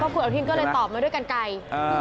คุณอนุทินก็เลยตอบมาด้วยกันไกล